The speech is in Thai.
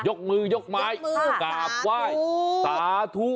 ยกมือยกไม้กลับไหว้